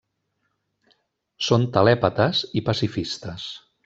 Són telèpates i pacifistes.